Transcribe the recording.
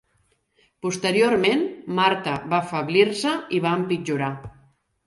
Posteriorment, Martha va afeblir-se i va empitjorar.